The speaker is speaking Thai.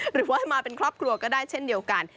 หรือว่ามาเป็นครอบครัวก็ได้เช่นเดียวกัน